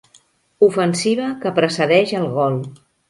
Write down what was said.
Ofensiva que precedeix el gol.